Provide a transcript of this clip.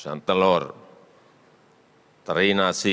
misalnya telur teri nasi